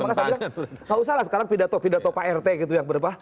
maka saya bilang nggak usah lah sekarang pidato pidato prt gitu yang berapa